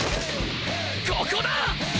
ここだ！